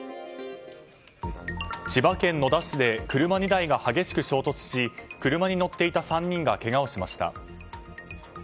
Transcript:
千葉県野田市で車２台が激しく衝突し車に乗っていた３人がけがをしました。